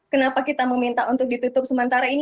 kenapa kita meminta untuk ditutup sementara ini